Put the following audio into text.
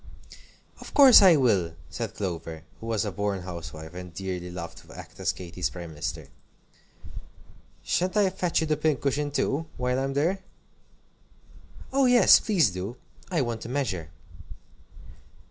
"Of course I will!" said Clover, who was a born housewife, and dearly loved to act as Katy's prime minister. "Sha'n't I fetch you the pincushion too, while I'm there?" "Oh yes, please do! I want to measure."